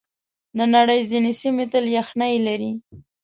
د نړۍ ځینې سیمې تل یخنۍ لري.